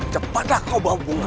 cepatlah kau berhubungan